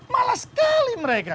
malas sekali mereka